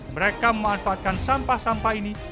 mereka memanfaatkan sampah sampah ini